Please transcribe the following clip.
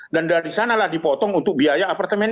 dan dari sanalah dipotong untuk biaya apartemen